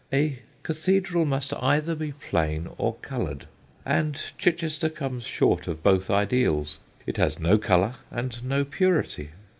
A cathedral must either be plain or coloured, and Chichester comes short of both ideals; it has no colour and no purity.